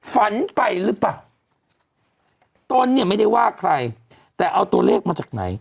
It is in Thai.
ฝันไปหรือเปล่าต้นเนี่ยไม่ได้ว่าใครแต่เอาตัวเลขมาจากไหน